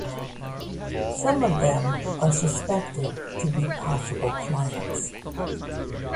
Some of them are suspected to be possible clients.